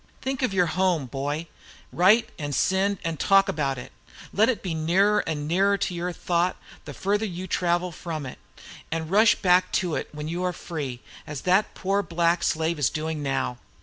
Think of your home, boy; write and send, and talk about it. Let it be nearer and nearer to your thought, the farther you have to travel from it; and rush back to it when you are free, as that poor black slave is doing now.